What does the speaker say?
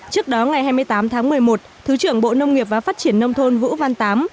trước đó ngày hai mươi tám tháng một mươi một thứ trưởng bộ nông nghiệp và phát triển nông thôn vũ văn tám